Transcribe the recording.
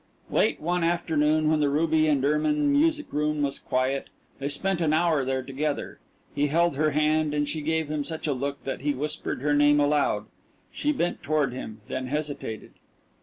Late one afternoon when the ruby and ermine music room was quiet, they spent an hour there together. He held her hand and she gave him such a look that he whispered her name aloud. She bent toward him then hesitated.